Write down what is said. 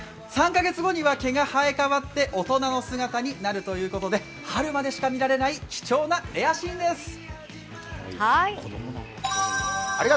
３カ月後には毛が生え替わって、大人の姿になるということで春までしか見られない貴重なレアシーンです。